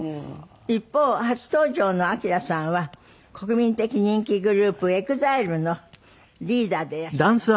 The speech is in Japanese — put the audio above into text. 一方初登場のＡＫＩＲＡさんは国民的人気グループＥＸＩＬＥのリーダーでいらっしゃいます。